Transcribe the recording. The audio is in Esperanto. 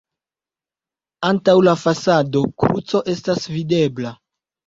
Antaŭ la fasado kruco estas videbla.